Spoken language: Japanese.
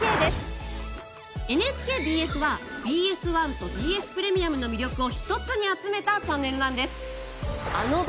ＮＨＫＢＳはＢＳ１とＢＳプレミアムの魅力を一つに集めたチャンネルなんです。